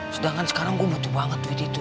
sedangkan sekarang gue butuh banget duit itu